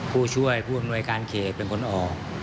ผู้ช่วยผู้อำนวยการเขตเป็นคนออก